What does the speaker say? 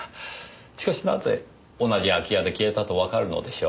しかしなぜ同じ空き家で消えたとわかるのでしょう？